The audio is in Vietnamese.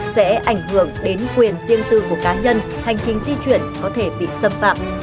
sẽ ảnh hưởng đến quyền riêng tư của cá nhân hành trình di chuyển có thể bị xâm phạm